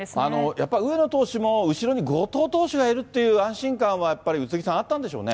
やっぱり上野投手も後ろに後藤投手がいるっていう安心感はやっぱり宇津木さん、あったんでしょうね。